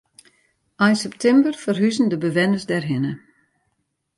Ein septimber ferhuzen de bewenners dêrhinne.